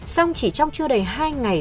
xong chỉ trong chưa đầy hai ngày